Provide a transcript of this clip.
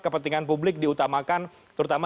kepentingan publik diutamakan terutama